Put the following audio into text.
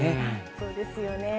そうですよね。